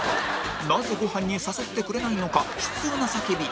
なぜごはんに誘ってくれないのか悲痛な叫び